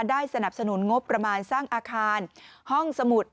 ได้สนับสนุนงบประมาณสร้างอาคารห้องสมุด